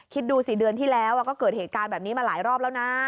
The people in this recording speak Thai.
คิดดูสิเดือนที่แล้วก็เกิดเหตุการณ์แบบนี้มาหลายรอบแล้วนะ